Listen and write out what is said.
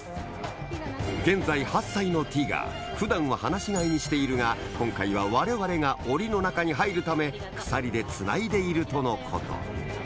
現在８歳のティガーにしているが今回はわれわれがおりの中に入るため鎖でつないでいるとのこと